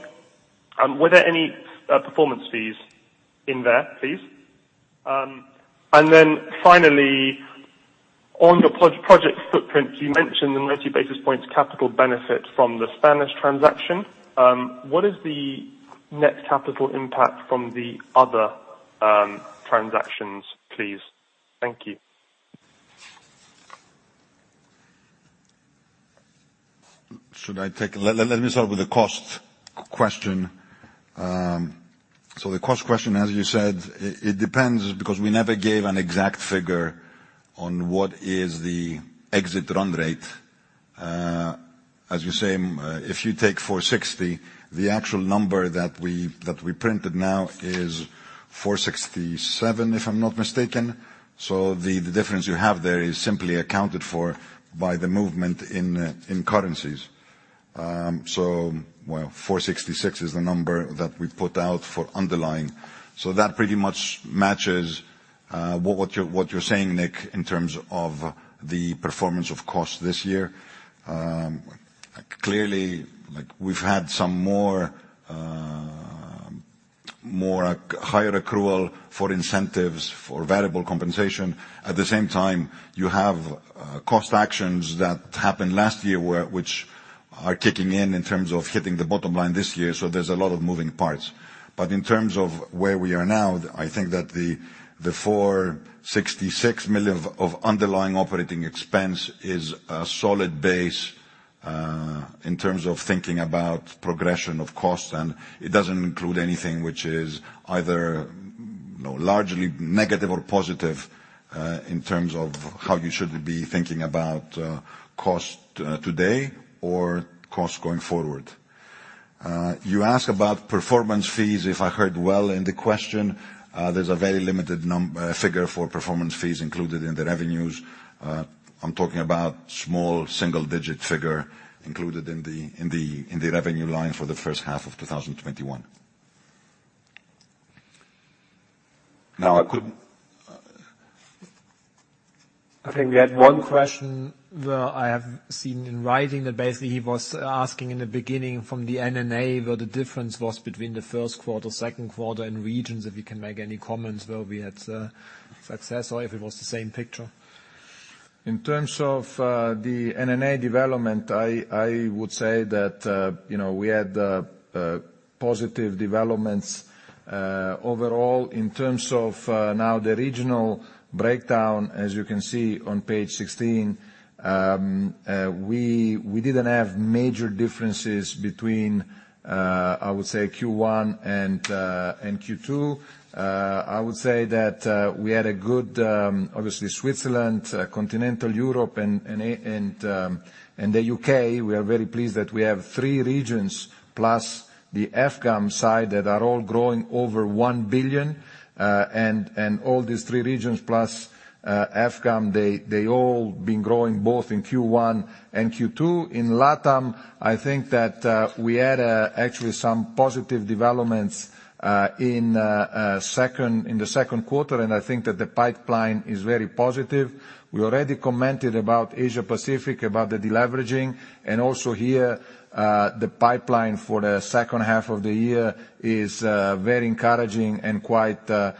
Were there any performance fees in there, please? Finally, on your project footprint, you mentioned the 90 basis points capital benefit from the Spanish transaction. What is the net capital impact from the other transactions, please? Thank you. Let me start with the cost question. The cost question, as you said, it depends because we never gave an exact figure on what is the exit run rate. As you say, if you take 460, the actual number that we printed now is 467, if I'm not mistaken. The difference you have there is simply accounted for by the movement in currencies. Well, 466 is the number that we put out for underlying. That pretty much matches what you're saying, Nick, in terms of the performance of cost this year. Clearly, we've had some more higher accrual for incentives for variable compensation. At the same time, you have cost actions that happened last year which are kicking in terms of hitting the bottom line this year, so there's a lot of moving parts. In terms of where we are now, I think that the 466 million of underlying operating expense is a solid base, in terms of thinking about progression of cost, and it doesn't include anything which is either largely negative or positive, in terms of how you should be thinking about cost today or cost going forward. You ask about performance fees, if I heard well in the question. There's a very limited figure for performance fees included in the revenues. I'm talking about small single-digit figure included in the revenue line for the first half of 2021. I think we had one question, where I have seen in writing that basically he was asking in the beginning from the NNA what the difference was between the first quarter, second quarter, and regions, if you can make any comments where we had success or if it was the same picture. In terms of the NNA development, I would say that we had positive developments overall. In terms of now the regional breakdown, as you can see on page 16, we didn't have major differences between, I would say Q1 and Q2. I would say that we had a good, obviously Switzerland, continental Europe, and the U.K. We are very pleased that we have three regions plus the EFG AM side that are all growing over 1 billion. All these three regions plus EFG AM, they all been growing both in Q1 and Q2. In LATAM, I think that we had actually some positive developments in the second quarter, and I think that the pipeline is very positive. We already commented about Asia Pacific, about the deleveraging, and also here, the pipeline for the second half of the year is very encouraging and quite good.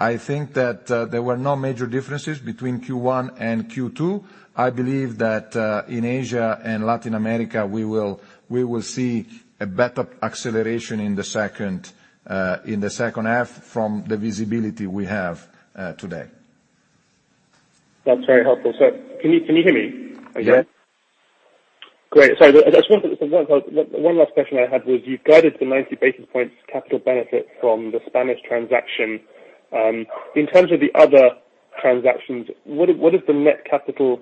I think that there were no major differences between Q1 and Q2. I believe that in Asia and Latin America, we will see a better acceleration in the second half from the visibility we have today. That's very helpful. Sir, can you hear me again? Yes. Great. One last question I had was, you've guided the 90 basis points capital benefit from the Spanish transaction. In terms of the other transactions, what is the net capital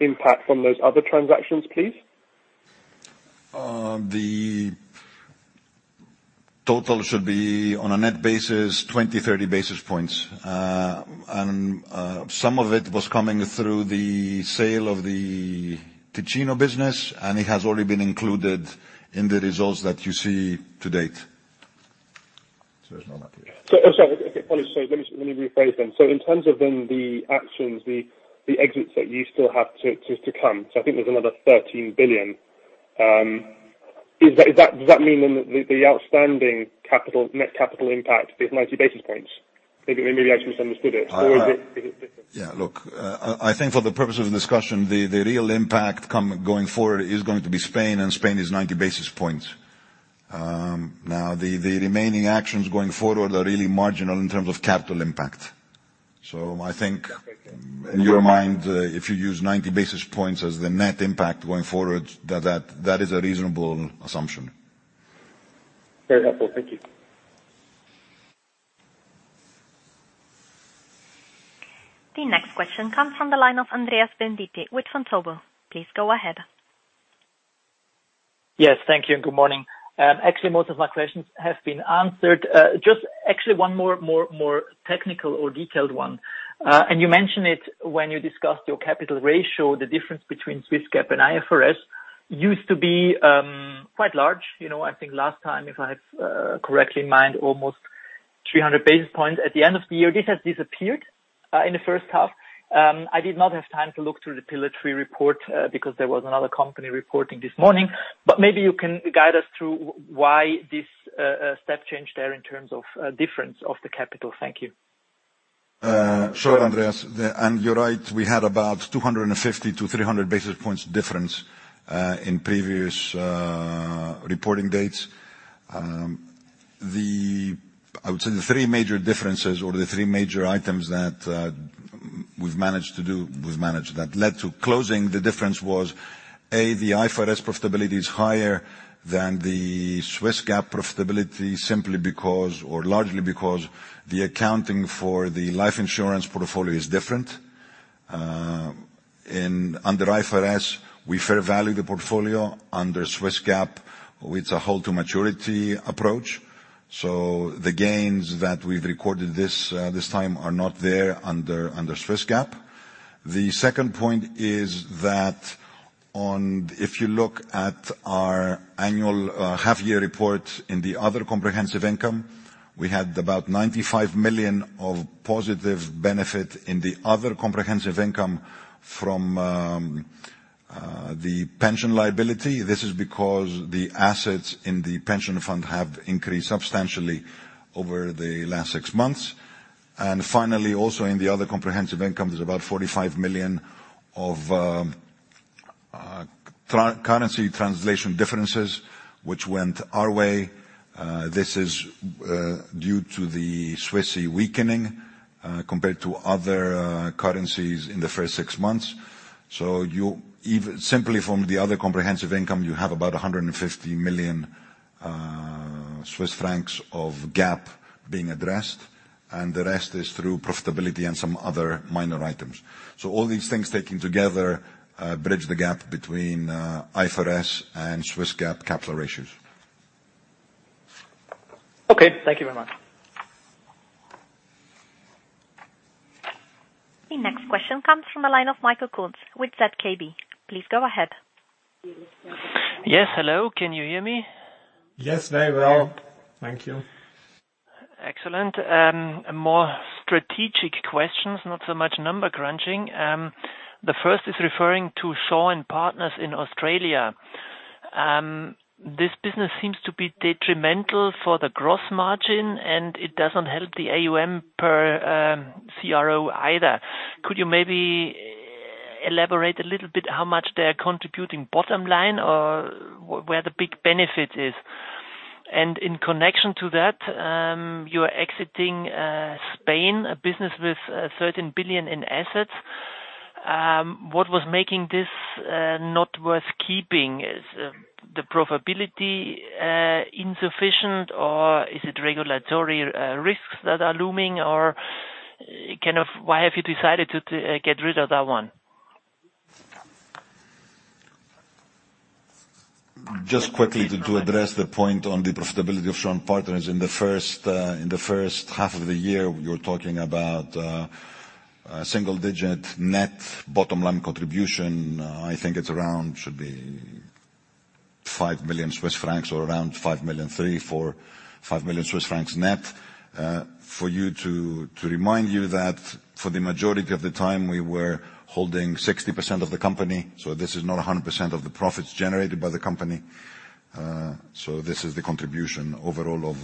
impact from those other transactions, please? The total should be, on a net basis, 20, 30 basis points. Some of it was coming through the sale of the Ticino business, and it has already been included in the results that you see to date. Sorry. Let me rephrase then. In terms of then the actions, the exits that you still have to come, so I think there's another 13 billion. Does that mean then that the outstanding net capital impact is 90 basis points? Maybe I misunderstood it, or is it different? Yeah, look. I think for the purpose of the discussion, the real impact going forward is going to be Spain, and Spain is 90 basis points. Now, the remaining actions going forward are really marginal in terms of capital impact. I think, in your mind, if you use 90 basis points as the net impact going forward, that is a reasonable assumption. Very helpful. Thank you. The next question comes from the line of Andreas Venditti with Vontobel. Please go ahead. Yes, thank you, and good morning. Actually, most of my questions have been answered. Just actually one more technical or detailed one. You mentioned it when you discussed your capital ratio, the difference between Swiss GAAP and IFRS used to be quite large. I think last time, if I have correctly in mind, almost 300 basis points at the end of the year. This has disappeared in the first half. I did not have time to look through the Pillar 3 report because there was another company reporting this morning, but maybe you can guide us through why this step change there in terms of difference of the capital. Thank you. Sure, Andreas. You're right, we had about 250 basis points-300 basis points difference in previous reporting dates. I would say the three major differences or the three major items that led to closing the difference was, A, the IFRS profitability is higher than the Swiss GAAP profitability, simply because or largely because the accounting for the life insurance portfolio is different. Under IFRS, we fair value the portfolio. Under Swiss GAAP, it's a hold-to-maturity approach. The gains that we've recorded this time are not there under Swiss GAAP. The second point is that if you look at our annual half year report in the other comprehensive income, we had about 95 million of positive benefit in the other comprehensive income from the pension liability. This is because the assets in the pension fund have increased substantially over the last six months. Finally, also in the other comprehensive income, there's about 45 million of currency translation differences, which went our way. This is due to the Swissie weakening compared to other currencies in the first six months. Simply from the other comprehensive income, you have about 150 million Swiss francs of GAAP being addressed, and the rest is through profitability and some other minor items. All these things taken together bridge the gap between IFRS and Swiss GAAP capital ratios. Okay. Thank you very much. The next question comes from the line of Michael Kunz with ZKB. Please go ahead. Yes, hello. Can you hear me? Yes, very well. Thank you. Excellent. More strategic questions, not so much number crunching. The first is referring to Shaw and Partners in Australia. This business seems to be detrimental for the gross margin, and it doesn't help the AuM per CRO either. Could you maybe elaborate a little bit how much they are contributing bottom line or where the big benefit is? In connection to that, you are exiting Spain, a business with 13 billion in assets. What was making this not worth keeping? Is the profitability insufficient or is it regulatory risks that are looming or why have you decided to get rid of that one? Just quickly to address the point on the profitability of Shaw and Partners in the first half of the year, you're talking about single-digit net bottom line contribution. I think it should be 5 million Swiss francs or around 5 million, 3 million Swiss francs, 4 million, 5 million Swiss francs net. To remind you that for the majority of the time, we were holding 60% of the company, so this is not 100% of the profits generated by the company. This is the contribution overall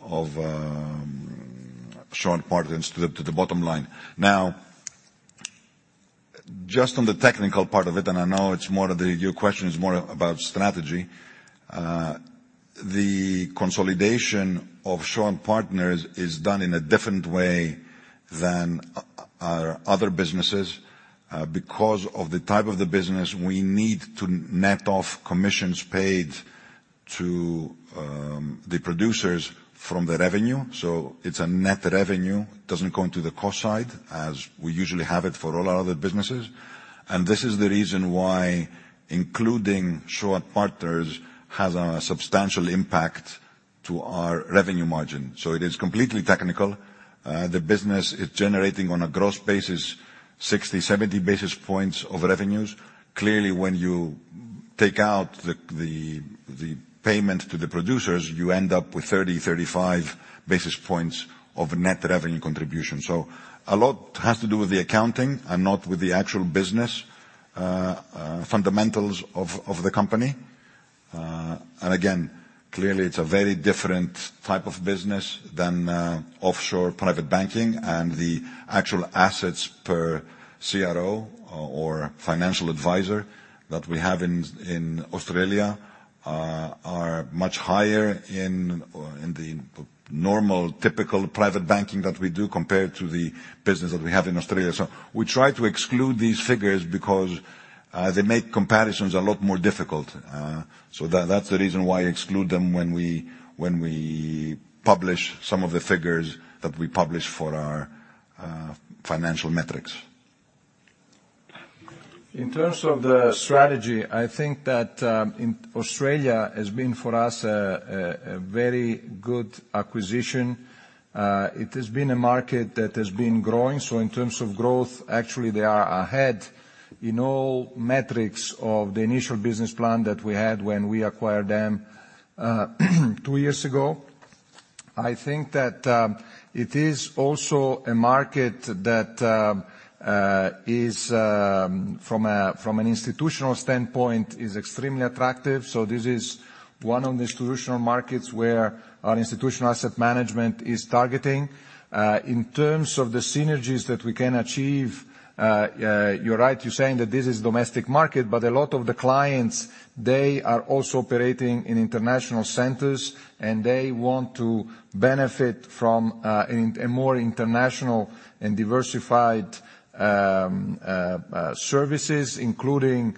of Shaw and Partners to the bottom line. Now, just on the technical part of it, and I know your question is more about strategy. The consolidation of Shaw and Partners is done in a different way than our other businesses. Because of the type of the business, we need to net off commissions paid to the producers from the revenue. It's a net revenue. It doesn't go into the cost side as we usually have it for all our other businesses. This is the reason why including Shaw and Partners has a substantial impact to our revenue margin. It is completely technical. The business is generating, on a gross basis, 60, 70 basis points of revenues. Clearly, when you take out the payment to the producers, you end up with 30, 35 basis points of net revenue contribution. A lot has to do with the accounting and not with the actual business fundamentals of the company. Clearly it's a very different type of business than offshore private banking, and the actual assets per CRO or financial advisor that we have in Australia are much higher in the normal, typical private banking that we do compared to the business that we have in Australia. We try to exclude these figures because they make comparisons a lot more difficult. That's the reason why I exclude them when we publish some of the figures that we publish for our financial metrics. In terms of the strategy, I think that Australia has been for us a very good acquisition. It has been a market that has been growing. In terms of growth, actually they are ahead in all metrics of the initial business plan that we had when we acquired them two years ago. I think that it is also a market that from an institutional standpoint, is extremely attractive. This is one of the institutional markets where our institutional asset management is targeting. In terms of the synergies that we can achieve, you are right, you are saying that this is domestic market, but a lot of the clients, they are also operating in international centers and they want to benefit from a more international and diversified services, including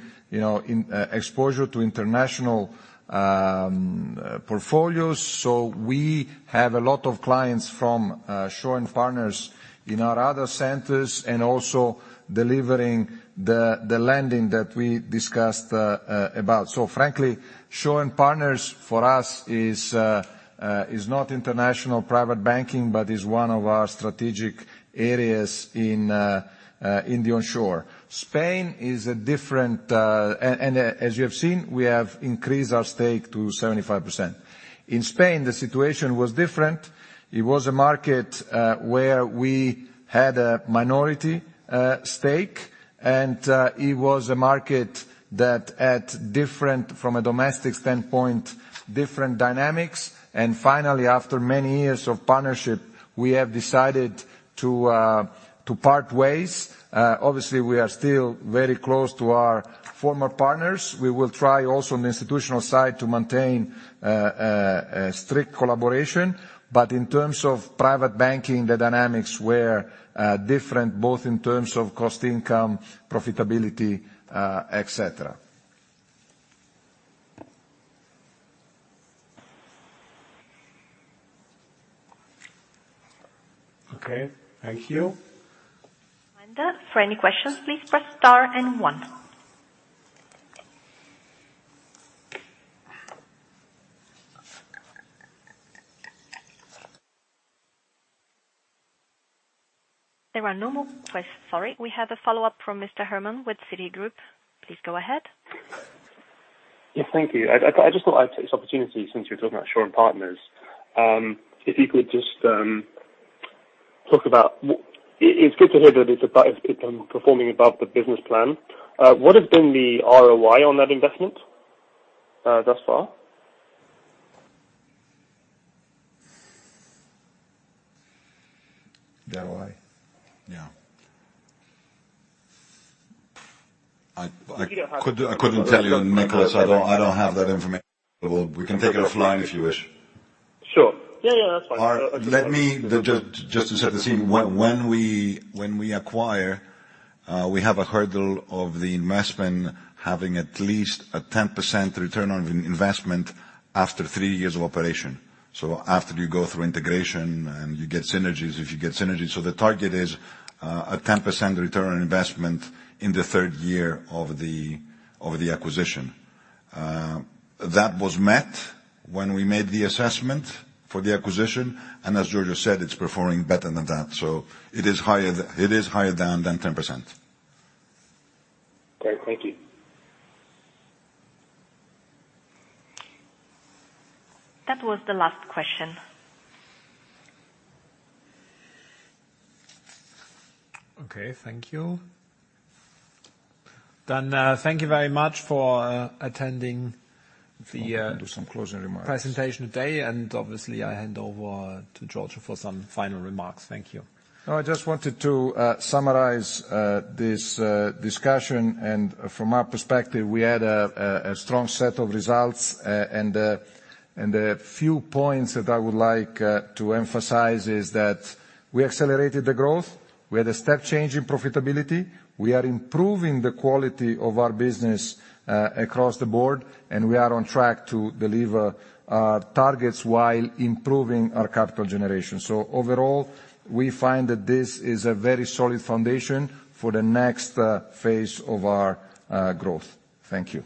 exposure to international portfolios. We have a lot of clients from Shaw and Partners in our other centers, and also delivering the lending that we discussed about. Frankly, Shaw and Partners for us is not international private banking, but is one of our strategic areas in the onshore. Spain is different, and as you have seen, we have increased our stake to 75%. In Spain, the situation was different. It was a market where we had a minority stake, and it was a market that from a domestic standpoint, different dynamics. Finally, after many years of partnership, we have decided to part ways. Obviously, we are still very close to our former partners. We will try also on the institutional side to maintain a strict collaboration. In terms of private banking, the dynamics were different both in terms of cost, income, profitability, et cetera. Okay. Thank you. For any questions, please press star and one. There are no more ques-- sorry. We have a follow-up from Mr. Herman with Citigroup. Please go ahead. Yes. Thank you. I just thought I'd take this opportunity since you're talking about Shaw and Partners, if you could just talk about. It's good to hear that it's been performing above the business plan. What has been the ROI on that investment thus far? ROI? Yeah. I couldn't tell you, Nicholas. I don't have that information. We can take it offline if you wish. Sure. Yeah. That's fine. Let me, just to set the scene, when we acquire, we have a hurdle of the investment having at least a 10% return on investment after three years of operation. After you go through integration, and you get synergies if you get synergies. The target is a 10% return on investment in the third year of the acquisition. That was met when we made the assessment for the acquisition, and as Giorgio said, it's performing better than that. It is higher than 10%. Great. Thank you. That was the last question. Okay. Thank you. Thank you very much for attending the- I can do some closing remarks. ...presentation today, and obviously, I hand over to Giorgio for some final remarks. Thank you. I just wanted to summarize this discussion. From our perspective, we had a strong set of results. A few points that I would like to emphasize is that we accelerated the growth, we had a step change in profitability, we are improving the quality of our business across the board, and we are on track to deliver our targets while improving our capital generation. Overall, we find that this is a very solid foundation for the next phase of our growth. Thank you.